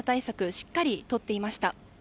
しっかりとっていました。